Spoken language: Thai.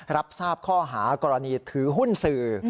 รับทราบข้อหากรณีถือหุ้นสื่อ